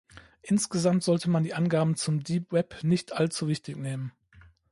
Insgesamt sollte man die Angaben zum Deep Web nicht allzu wichtig nehmen.